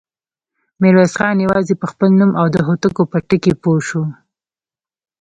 ميرويس خان يواځې په خپل نوم او د هوتکو په ټکي پوه شو.